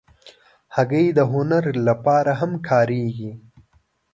هګۍ د هنر لپاره هم کارېږي.